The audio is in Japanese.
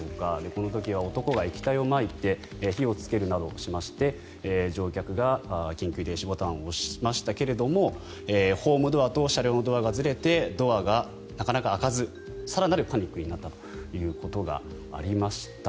この時は男が液体をまいて火をつけるなどしまして乗客が緊急停止ボタンを押しましたけれどもホームドアと車両のドアがずれてドアがなかなか開かず更なるパニックになったことがありました。